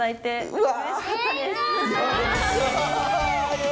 うわ！